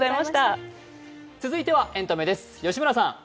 続いてはエンタメです。